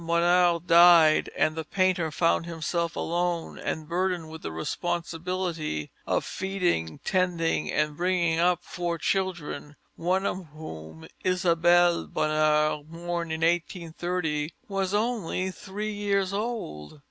Bonheur died and the painter found himself alone and burdened with the responsibility of feeding, tending, and bringing up four children, one of whom, Isabelle Bonheur, born in 1830, was only three years old.